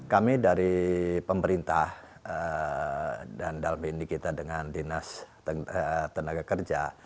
kami dari pemerintah dan dalam ini kita dengan dinas tenaga kerja